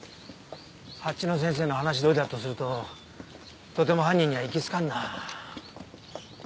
蜂の先生の話どおりだとするととても犯人には行き着かんな。